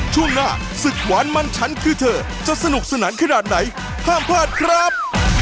ช่วงหน้าศึกหวานมันฉันคือเธอจะสนุกสนานขนาดไหนห้ามพลาดครับ